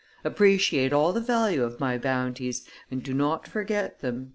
Appreciate all the value of my bounties, and do not forget them."